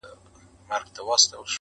هغه لمرونو هغه واورو آزمېیلی چنار،